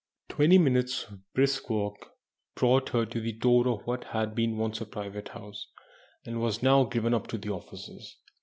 Twenty minutes' brisk walk brought her to the door of what had once been a private house, and was now given up to offices.